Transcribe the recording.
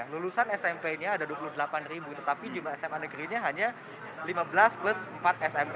lulusan smp nya ada dua puluh delapan tetapi jumlah sma negerinya hanya lima belas plus empat smp